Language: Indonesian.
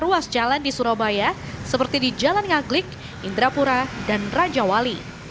terluas jalan di surabaya seperti di jalan ngaglik indrapura dan rajawali